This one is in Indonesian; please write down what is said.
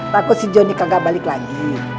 takut si jonny kagak balik lagi